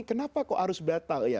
kenapa kok harus batal ya